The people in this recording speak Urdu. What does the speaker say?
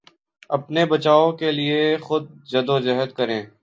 اپنے بچاؤ کے لیے خود جدوجہد کریں